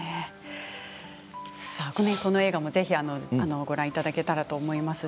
この映画もぜひご覧いただけたらと思います。